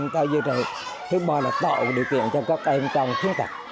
thứ ba là tổ điều kiện cho các em trong khiến tập